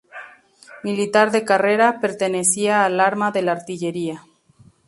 Militar de carrera, pertenecía al arma de artillería.